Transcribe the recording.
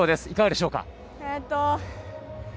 いかがでしょうか？